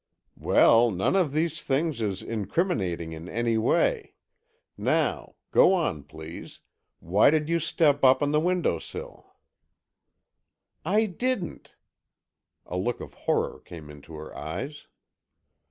"Well, none of these things is incriminating in any way. Now, go on, please, why did you step up on the window sill?" "I didn't!" A look of horror came into her eyes.